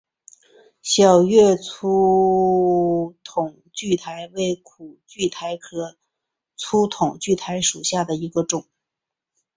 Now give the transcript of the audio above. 小叶粗筒苣苔为苦苣苔科粗筒苣苔属下的一个种。